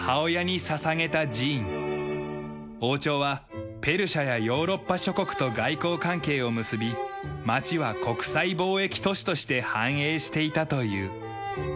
王朝はペルシャやヨーロッパ諸国と外交関係を結び町は国際貿易都市として繁栄していたという。